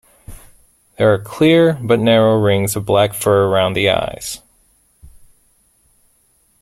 There are clear, but narrow, rings of black fur around the eyes.